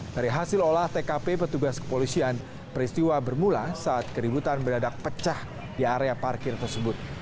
dari hasil olah tkp petugas kepolisian peristiwa bermula saat keributan beradak pecah di area parkir tersebut